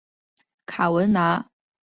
卡文拿在家乡球队泰拿华斯巴达出道。